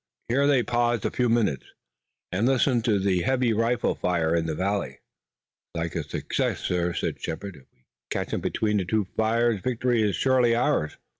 Here they paused a few minutes and listened to the heavy rifle fire in the valley. "It looks like a success, sir," said Shepard. "If we catch 'em between two fires victory is surely ours."